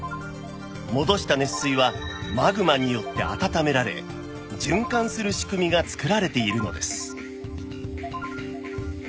戻した熱水はマグマによって温められ循環する仕組みが作られているのです